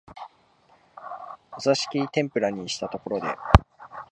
お座敷天婦羅にしたところで、